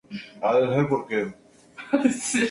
Los tres deportes tienen sus propias federaciones.